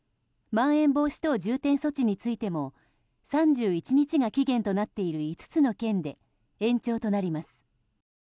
まん延防止等重点措置についても３１日が期限となっている５つの県で延長となります。